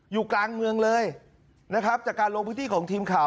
อยู่กลางเมืองเลยนะครับจากการลงพื้นที่ของทีมข่าว